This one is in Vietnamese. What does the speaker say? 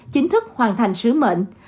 chính thức hoàn thành sứ mệnh